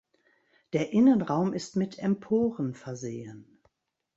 Der Innenraum ist mit Emporen versehen.